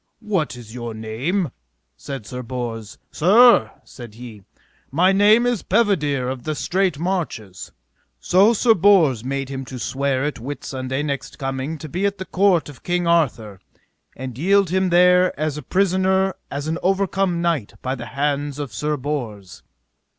What is your name? said Sir Bors. Sir, said he, my name is Pedivere of the Straight Marches. So Sir Bors made him to swear at Whitsunday next coming to be at the court of King Arthur, and yield him there as a prisoner as an overcome knight by the hands of Sir Bors.